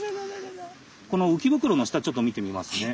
このうきぶくろの下ちょっと見てみますね。